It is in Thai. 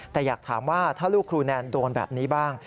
แต่อยากถามว่าถ้าลูกครูแนนโดนแบบนี้บ้าง